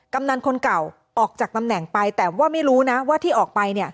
กำนันคนเก่าออกจากตำแหน่งไปแต่ว่าไม่รู้นะว่าที่ออกไป